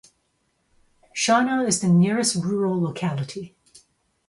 Shana is the nearest rural locality.